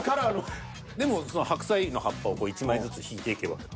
でもその白菜の葉っぱを１枚ずつひいていけば。